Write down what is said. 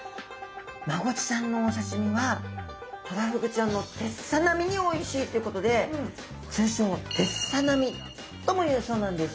マゴチちゃんのお刺身はトラフグちゃんのてっさ並みにおいしいっていうことで通称「てっさなみ」ともいうそうなんです。